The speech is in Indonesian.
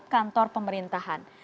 untuk kantor pemerintahan